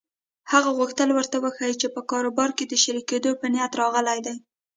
هغه غوښتل ورته وښيي چې په کاروبار کې د شريکېدو په نيت راغلی دی.